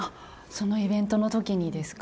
そのイベントの時にですか？